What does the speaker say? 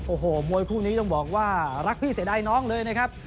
โอ้โหมวยคู่นี้ต้องบอกว่ารักพี่เสียดายน้องเลยนะครับ